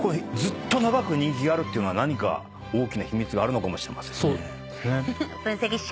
ずっと長く人気があるっていうのは大きな秘密があるのかもしれません。